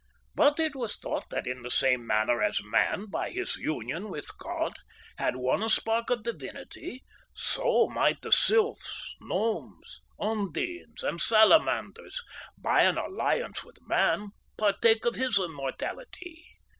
But it was thought that in the same manner as man by his union with God had won a spark of divinity, so might the sylphs, gnomes, undines, and salamanders by an alliance with man partake of his immortality.